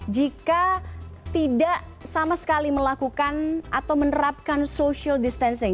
jika tidak sama sekali melakukan atau menerapkan social distancing